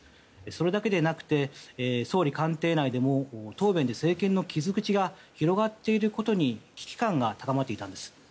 それだけでなくて総理官邸内でも答弁で政権の傷口が広がっていることに危機感が高まっていたんです。